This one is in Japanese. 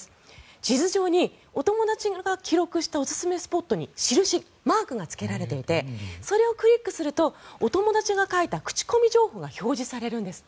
地図上に、お友達が記録したおすすめスポットに印、マークがつけられていてそれをクリックするとお友達が書いた口コミ情報が表示されるんですって。